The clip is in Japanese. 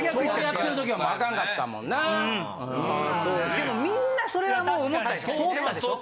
でもみんなそれはもう思ったでしょう？